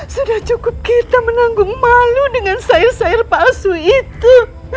sudah cukup kita menanggung malu dengan sayur sayur palsu itu